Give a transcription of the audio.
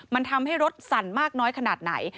มันทำให้รถสั่นมากน้อยขนาดไหน